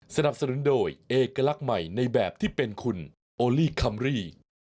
สนับสนุนโดยเอกลักษณ์ใหม่ในแบบที่เป็นคุณโอลี่คัมรี่